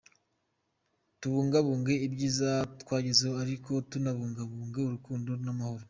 Tubungabunge ibyiza twagezeho, ariko tunabungabunge urukundo n’amahoro.